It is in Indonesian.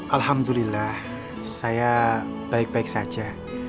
alhamdulillah saya baik baik saja